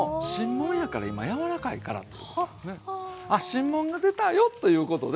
新もんが出たよということで。